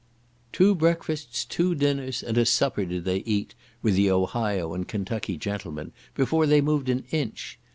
Two breakfasts, two dinners, and a supper did they eat, with the Ohio and Kentucky gentlemen, before they moved an inch.